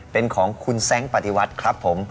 เป็นของคุณแซ้งปฏิวัติครับผม